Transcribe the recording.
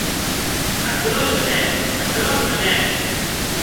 Aquerò jamès!, aquerò jamès!